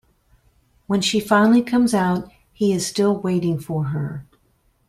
When she finally comes out, he is still waiting for her.